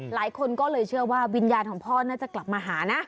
หลายคนก็เลยเชื่อว่าวิญญาณของพ่อน่าจะกลับมาหานะ